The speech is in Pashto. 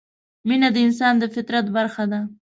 مینه د انسان د فطرت برخه ده.